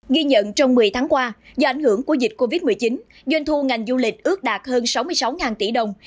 ghi nhận trong một mươi tháng qua do ảnh hưởng của dịch covid một mươi chín doanh thu ngành du lịch ước đạt hơn sáu mươi sáu tỷ đồng